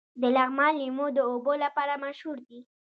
د لغمان لیمو د اوبو لپاره مشهور دي.